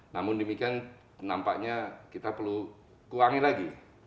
namun demikian nampaknya kita perlu kurangi lagi